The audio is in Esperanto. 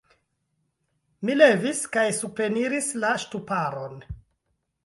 Mi leviĝis kaj supreniris la ŝtuparon.